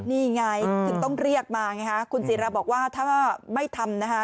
นี่ไงถึงต้องเรียกมาไงฮะคุณศิราบอกว่าถ้าว่าไม่ทำนะคะ